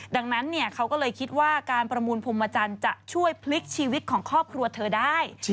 ดังนั้นเขาก็เลยคิดว่าการประมูลพรมจันทร์จะช่วยพลิกชีวิตของครอบครัวเธอได้